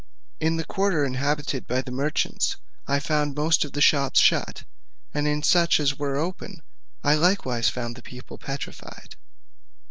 In the quarter inhabited by the merchants I found most of the shops shut, and in such as were open I likewise found the people petrified.